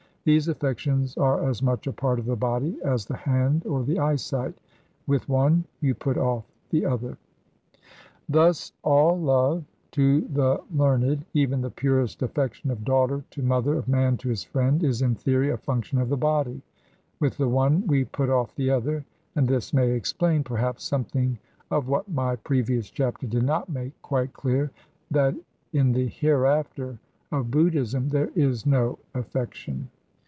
These affections are as much a part of the body as the hand or the eyesight; with one you put off the other.' Thus all love, to the learned, even the purest affection of daughter to mother, of man to his friend, is in theory a function of the body with the one we put off the other; and this may explain, perhaps, something of what my previous chapter did not make quite clear, that in the hereafter of Buddhism there is no affection.